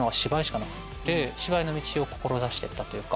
芝居の道を志してったというか。